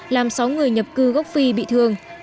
làm sáu người nhập cư gốc phi bị thương